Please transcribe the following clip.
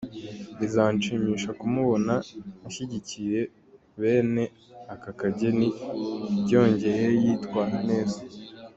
Bizanshimisha kumubona ashyigikiwe bene aka kageni byongeye yitwara neza.